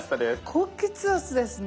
高血圧ですね。